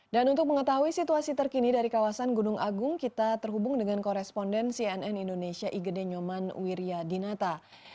dan untuk mengetahui situasi terkini dari kawasan gunung agung kita terhubung dengan koresponden cnn indonesia igede nyoman wiryadinata